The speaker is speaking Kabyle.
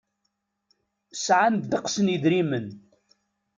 Sɛan ddeqs n yedrimen.